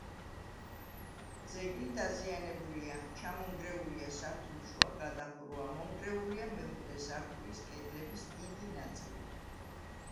ძეგლი დაზიანებულია: ჩამონგრეულია სართულშუა გადახურვა, მონგრეულია მეხუთე სართულის კედლების დიდი ნაწილი.